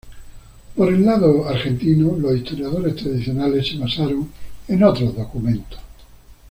Por el lado argentino, los historiadores tradicionales se basaron en otros documentos.